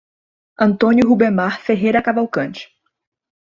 Antônio Rubemar Ferreira Cavalcante